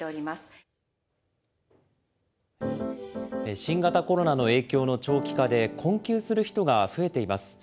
新型コロナの影響の長期化で、困窮する人が増えています。